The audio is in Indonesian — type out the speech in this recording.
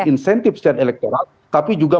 insentif secara elektoral tapi juga